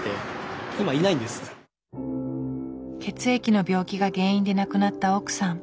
血液の病気が原因で亡くなった奥さん。